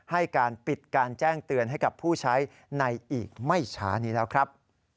ให้การปิดการแจ้งเตือนให้กับผู้ใช้ในอีกไม่ช้านี้แล้วครับ